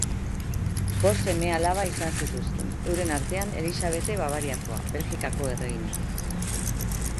Bost seme-alaba izan zituzten, euren artean Elixabete Bavariakoa, Belgikako erregina.